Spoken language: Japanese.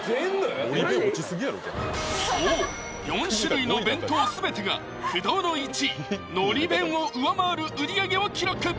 そう４種類の弁当全てが不動の１位・のり弁を上回る売り上げを記録！